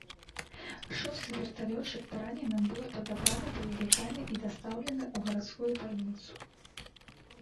Шосты верталётчык параненым быў падабраны баевікамі і дастаўлены ў гарадскую бальніцу.